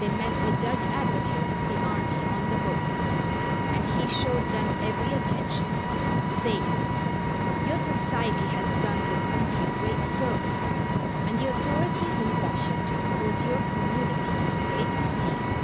They met the Judge Advocate of the army on the boat and he showed them every attention, saying: "Your society has done the country great service, and the authorities in Washington hold your community in great esteem."